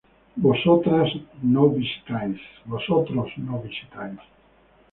Vosotros no visitáis